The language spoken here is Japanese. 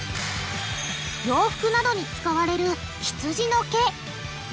洋服などに使われるひつじの毛。